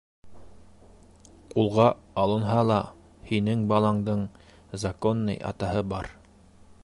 Ҡулға алынһа ла, һинең баландың... законный атаһы бар.